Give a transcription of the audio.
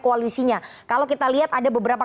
koalisinya kalau kita lihat ada beberapa